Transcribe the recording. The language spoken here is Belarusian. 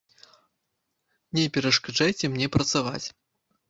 Не перашкаджайце мне працаваць.